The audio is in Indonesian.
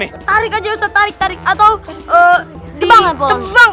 tarik aja ustadz tarik atau tebang